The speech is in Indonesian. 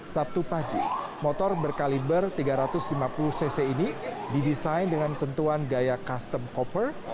sabtu pagi motor berkaliber tiga ratus lima puluh cc ini didesain dengan sentuhan gaya custom copper